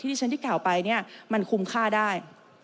ที่ฉันที่กล่าวไปเนี่ยมันคุ้มค่าได้